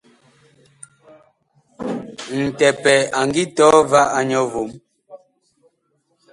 Ntɛpɛ a ngi tɔɔ va a nyɔ vom.